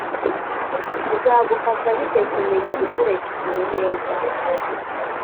bizagufasha bite kumenya gukoresha igihe neza